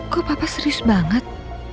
kok papa serius banget